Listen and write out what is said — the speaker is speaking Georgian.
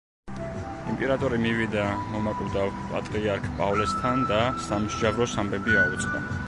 იმპერატორი მივიდა მომაკვდავ პატრიარქ პავლესთან და სამსჯავროს ამბები აუწყა.